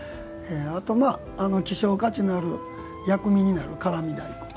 あと、希少価値のある薬味になる辛味だいこん。